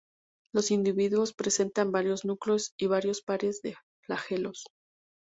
Los individuos presentan varios núcleos y varios pares de flagelos.